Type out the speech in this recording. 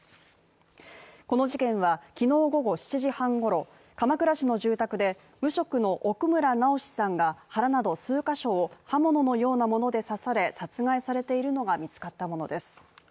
この事件は、きのう午後７時半ごろ、鎌倉市の住宅で無職の奥村直司さんが腹など数カ所を刃物のようなもので刺され殺害されているのが見つかったものです。